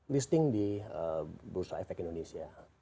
listing di bursa efek indonesia